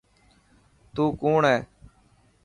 تون ڪوڻ هي.